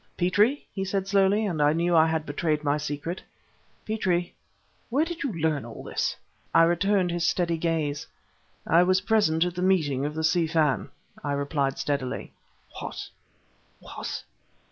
"Petrie!" he said slowly, and I knew that I had betrayed my secret, "Petrie where did you learn all this?" I returned his steady gaze. "I was present at the meeting of the Si Fan," I replied steadily. "What? What?